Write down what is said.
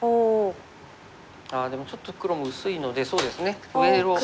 ああでもちょっと黒も薄いのでそうですね上を。